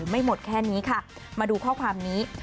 ไม่หมดแค่นี้ค่ะมาดูข้อความนี้